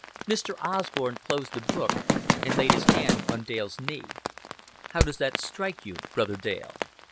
'" Mr. Osborn closed the book and laid his hand on Dale's knee. "How does that strike you, Brother Dale?"